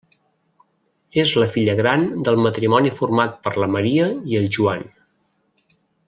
És la filla gran del matrimoni format per la Maria i el Joan.